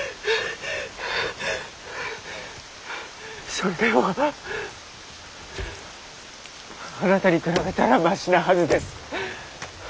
それでもあなたに比べたらましなはずです。